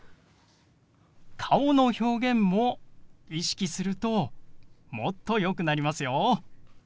顔の表現も意識するともっとよくなりますよ。